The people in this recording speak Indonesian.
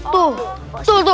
tuh tuh tuh